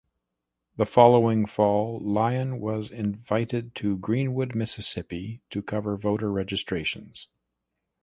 The following fall Lyon was invited to Greenwood, Mississippi, to cover voter registrations.